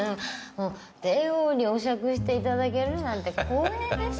テイオーにお酌していただけるなんて光栄です。